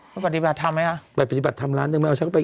เปิดปฏิบัติทำไหมล่ะเปิดปฏิบัติทำไหมล่ะไปปฏิบัติทำ